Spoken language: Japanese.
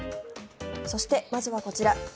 そして、まずはこちら。